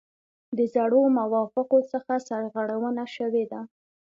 د زړو موافقو څخه سرغړونه شوې ده.